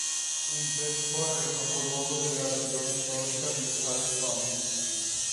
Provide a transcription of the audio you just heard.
Un tempo era il capoluogo della regione storica di Halfambt.